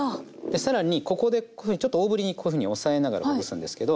更にここでこういうふうにちょっと大ぶりにこういうふうに押さえながらほぐすんですけど。